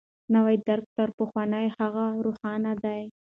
نوی درک تر پخواني هغه روښانه دی.